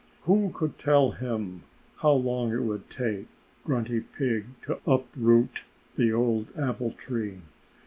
Who could tell him how long it would take Grunty Pig to uproot the old apple tree?